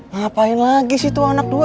ngapain lagi sih tua anak dua